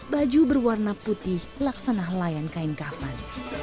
baju berwarna putih laksanah layan kain kafan